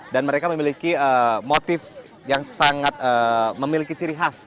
dan mereka memiliki motif yang sangat memiliki ciri khas